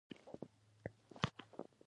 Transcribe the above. د لوړو زده کړو وزارت د محترم وزیر صاحب منظوري